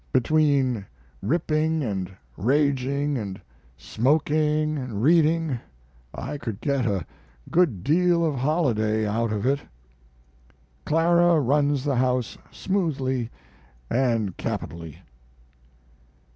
Between ripping & raging & smoking & reading I could get a good deal of holiday out of it. Clara runs the house smoothly & capitally.